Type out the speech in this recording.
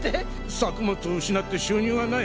作物を失って収入がない。